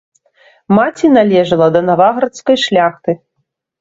Маці належала да наваградскай шляхты.